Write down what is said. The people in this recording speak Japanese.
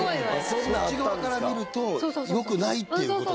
そっち側から見ると良くないっていう事なんだよね？